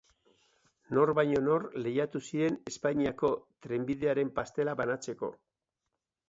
Nor baino nor lehiatu ziren Espainiako trenbidearen pastela banatzeko.